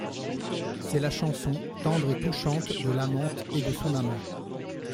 C’est la chanson, tendre et touchante De l’amante et de son amant.